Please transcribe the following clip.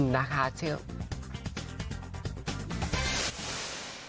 การทำแต่ก็บอกตากุมกันก่อนนะครับ